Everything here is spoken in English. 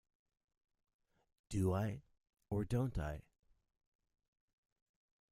Do I, or don't I?